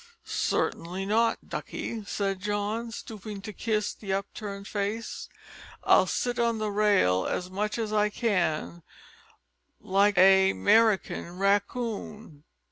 "Certainly not, duckie," said John, stooping to kiss the upturned face; "I'll sit on the rail as much as I can, like a 'Merican racoon.